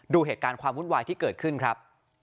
ดูเหตุการณ์ความวุ่นวายที่เกิดขึ้นครับ